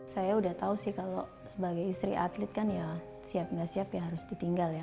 saya udah tau sih kalau sebagai istri atlet kan ya siap nggak siap ya harus ditinggal ya